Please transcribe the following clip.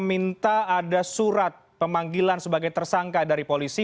minta ada surat pemanggilan sebagai tersangka dari polisi